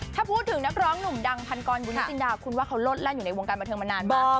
ถ้าพูดถึงนักร้องหนุ่มดังพันกรบุญนิจินดาคุณว่าเขาลดแล่นอยู่ในวงการบันเทิงมานานมาก